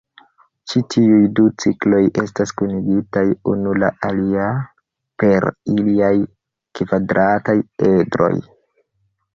Ĉi tiuj du cikloj estas kunigitaj unu la alia per iliaj kvadrataj edroj.